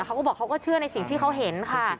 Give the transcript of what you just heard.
เขาก็บอกเขาก็เชื่อในสิ่งที่เขาเห็นค่ะ